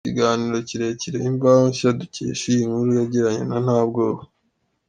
Ni mu kiganiro kirekire Imvaho Nshya dukesha inyi nkuru yagiranye na Ntabwoba.